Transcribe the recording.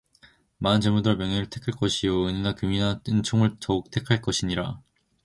많은 재물보다 명예를 택할 것이요 은이나 금보다 은총을 더욱 택할 것이니라